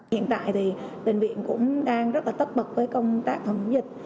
hiện tại thì bệnh viện cũng đang rất là tất bật với công tác thẩm dịch